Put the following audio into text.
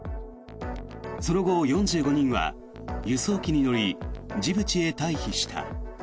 その後、４５人は輸送機に乗りジブチへ退避した。